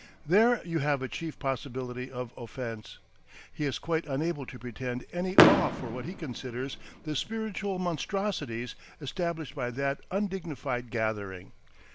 There you have a chief possibility of offence. He is quite unable to pretend any awe for what he considers the spiritual monstrosities established by that undignified gathering.